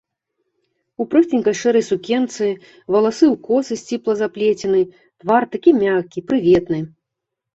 У просценькай шэрай сукенцы, валасы ў косы сціпла заплецены, твар такі мяккі, прыветны.